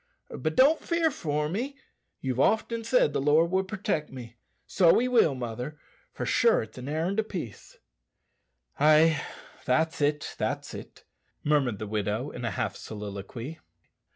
But don't fear for me. You've often said the Lord would protect me. So he will, mother, for sure it's an errand o' peace." "Ay that's it, that's it," murmured the widow in a half soliloquy.